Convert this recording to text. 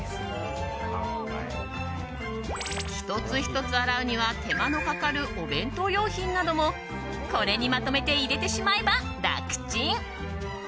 １つ１つ洗うには手間のかかるお弁当用品などもこれにまとめて入れてしまえば楽チン。